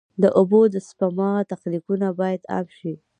د اوبو د سپما تخنیکونه باید عام شي.